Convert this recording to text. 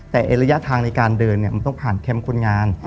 แต่ระยะทางในการเดินมันต้องผ่านแคมป์คนงาน